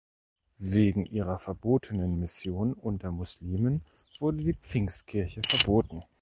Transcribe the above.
Wegen ihrer verbotenen Mission unter Muslimen wurde die Pfingstkirche verboten.